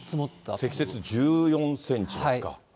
積雪１４センチですか。